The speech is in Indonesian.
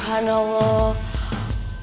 ya allah ini buat kamu